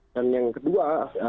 dan yang kedua